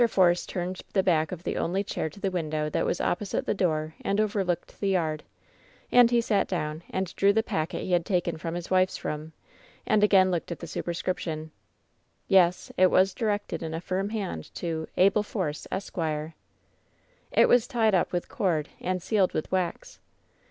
Force turned the back of the only chair to the window that was opposite the door and overlooked the yard; and he sat down and drew the packet he had taken from his wife's room, and again looked at the superscription. ^ Yes, it was directed in a firm hand to: "Abel Force, Esq.'' It was tied up with cord and sealed with wax.